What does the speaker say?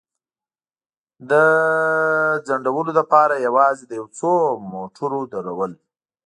د ځنډولو لپاره یوازې د یو څو موټرو درول.